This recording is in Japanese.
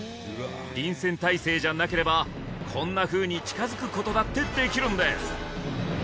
臨戦態勢じゃなければこんなふうに近づくことだってできるんです